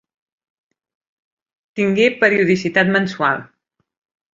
Tingué periodicitat mensual.